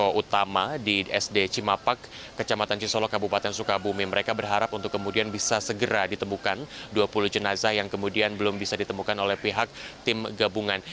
yang utama di sd cimapak kecamatan cisolo kabupaten sukabumi mereka berharap untuk kemudian bisa segera ditemukan dua puluh jenazah yang kemudian belum bisa ditemukan oleh pihak tim gabungan